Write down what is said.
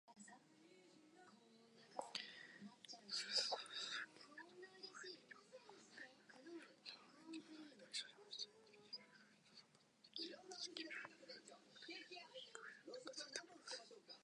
秋の夕暮れ、赤く染まる空と静かな風景が広がる公園で、人々はそれぞれの時間を楽しんでいました。ベンチに座り、読書を楽しむ人、家族でピクニックをする人、散歩する人々が行き交います。木々の葉は色とりどりに変わり、足元には枯葉が舞い、季節の移ろいを感じさせてくれます。